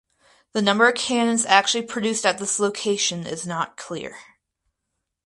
The number of cannons actually produced at this location is not clear.